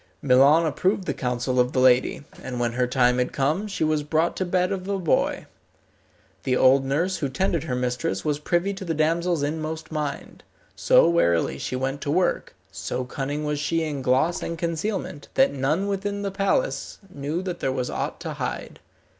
Milon approved the counsel of the lady, and when her time had come she was brought to bed of a boy. The old nurse who tended her mistress was privy to the damsel's inmost mind. So warily she went to work, so cunning was she in gloss and concealment, that none within the palace knew that there was aught to hide.